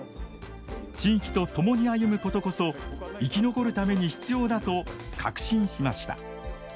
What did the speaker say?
地域と共に歩むことこそ生き残るために必要だと確信しました。